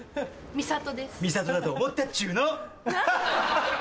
美里だと思ったっちゅうの！